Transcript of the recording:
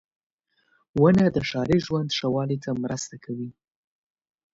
• ونه د ښاري ژوند ښه والي ته مرسته کوي.